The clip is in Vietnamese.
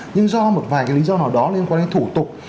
nhưng do một vài cái lý do nào đó liên quan đến thủ tục